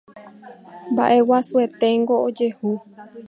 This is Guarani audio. Mba'e guasueténgo ojehu